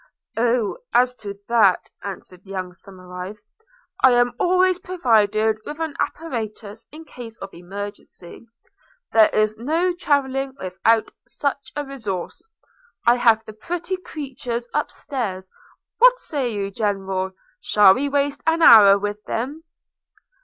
'Oh! as to that,' answered young Somerive, 'I am always provided with an apparatus in case of emergency – there is no travelling without such a resource – I have the pretty creatures up stairs. What say you, General – shall we waste an hour with them?'